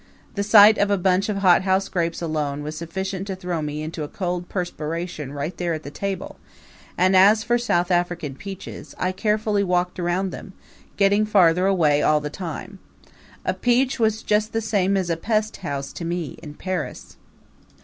The sight of a bunch of hothouse grapes alone was sufficient to throw me into a cold perspiration right there at the table; and as for South African peaches, I carefully walked around them, getting farther away all the time. A peach was just the same as a pesthouse to me, in Paris.